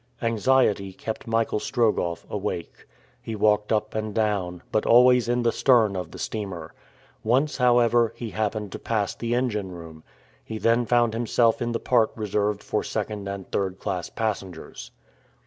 Anxiety kept Michael Strogoff awake. He walked up and down, but always in the stern of the steamer. Once, however, he happened to pass the engine room. He then found himself in the part reserved for second and third class passengers.